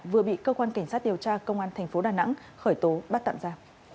vừa bị cơ quan cảnh sát điều tra công an tp đà nẵng khởi tố bắt tạm ra